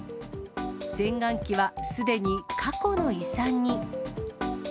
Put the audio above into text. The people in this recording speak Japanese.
洗眼器はすでに過去の遺産に。